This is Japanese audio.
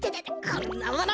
こんなもの！